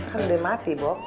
kan udah mati bok